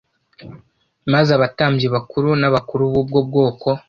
Maze abatambyi bakuru n’abakuru b’ubwo bwoko